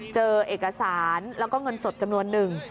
เจอเอกสารแล้วก็เงินสดจำนวนหนึ่ง